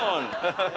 ハハハハ！